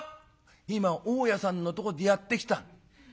「今大家さんのとこでやってきた」。